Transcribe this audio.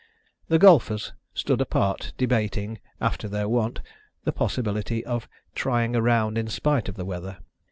The golfers stood apart debating, after their wont, the possibility of trying a round in spite of the weather.